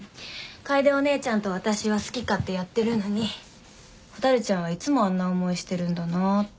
楓お姉ちゃんと私は好き勝手やってるのに蛍ちゃんはいつもあんな思いしてるんだなって。